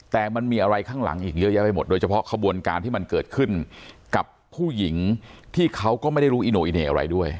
แต่มันมีอะไรข้างหลังอีกเยอะแยะไปหมดโดยเฉพาะขบวนการที่มันเกิดขึ้นกับผู้หญิงที่เขาก็ไม่ได้รู้อิโนอิเน่อะไรด้วย